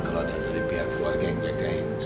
kalau ada dari pihak keluarga yang jagain